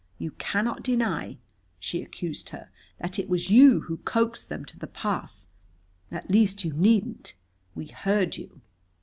You cannot deny," she accused her, "that it was you who coaxed them to the pass. At least you needn't. We heard you."